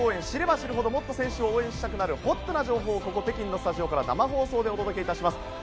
知れば知るほどもっと選手を応援したくなるホットな情報をここ北京のスタジオから生放送でお伝えします。